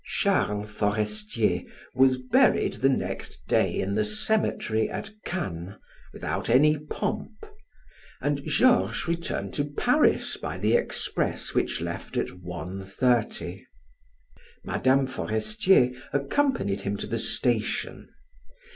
Charles Forestier was buried the next day in the cemetery at Cannes without any pomp, and Georges returned to Paris by the express which left at one thirty. Mme. Forestier accompanied him to the station.